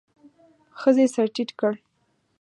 ښځې سر ټيت کړ.